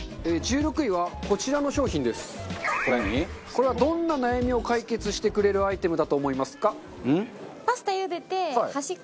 これはどんな悩みを解決してくれるアイテムだと思いますか？